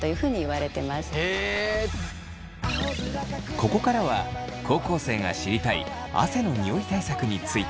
ここからは高校生が知りたい汗のニオイ対策について。